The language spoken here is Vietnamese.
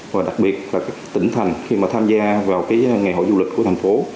và đặc biệt là các tỉnh thành khi mà tham gia vào ngày hội du lịch của thành phố